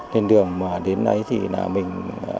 lên đường mà đến đấy thì là mình